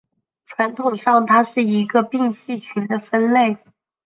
传统上它是一个并系群的分类。